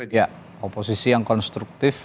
ya oposisi yang konstruktif